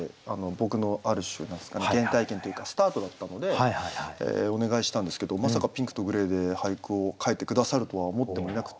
僕のある種原体験というかスタートだったのでお願いしたんですけどまさか「ピンクとグレー」で俳句を書いて下さるとは思ってもいなくて。